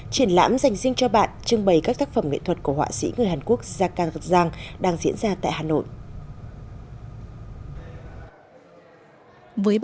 triển lãm dành riêng cho bạn trưng bày các tác phẩm nghệ thuật của họa sĩ người hàn quốc jakarng giang đang diễn ra tại hà nội